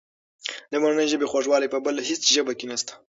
د مورنۍ ژبې خوږوالی په بله هېڅ ژبه کې نشته.